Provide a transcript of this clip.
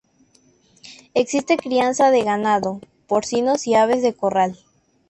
Existe crianza de ganado, porcinos y aves de corral.